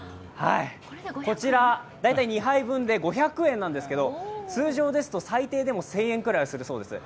こちら、２杯分で５００円なんですけど通常ですと最低でも１０００円くらいするそうです。